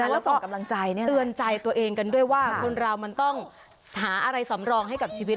แล้วส่งกำลังใจเตือนใจตัวเองกันด้วยว่าคนเรามันต้องหาอะไรสำรองให้กับชีวิต